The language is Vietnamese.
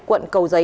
quận cầu giấy